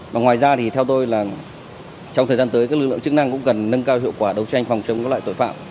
và ngoài ra thì theo tôi là trong thời gian tới các lực lượng chức năng cũng cần nâng cao hiệu quả đấu tranh phòng chống các loại tội phạm